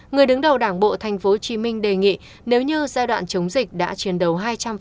người đứng đầu đảng bộ tp hcm đề nghị nếu như giai đoạn chống dịch đã chiến đấu hai trăm linh